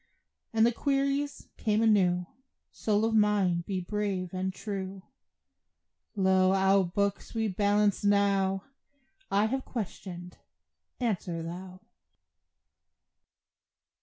And the queries come anew: Soul of mine, be brave and true; Lo! our books we balance now; I have questioned; answer thou.